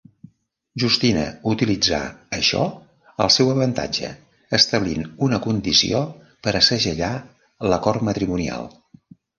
Justina utilitzar això al seu avantatge, establint una condició per a segellar l'acord matrimonial.